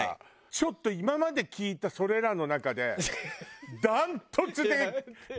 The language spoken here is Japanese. ちょっと今まで聞いたそれらの中で断トツで狂気性を帯びてる。